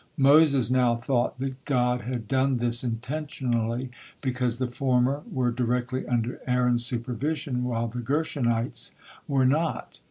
Moses now thought that God had done this intentionally because the former were directly under Aaron's supervision while the Gershonites were not.